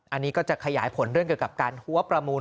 อันนี้ก็จะขยายผลเรื่องเกี่ยวกับการหัวประมูล